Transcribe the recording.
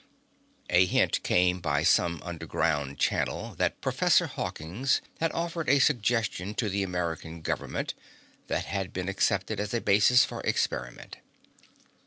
A hint came by some underground channel that Professor Hawkins had offered a suggestion to the American government that had been accepted as a basis for experiment.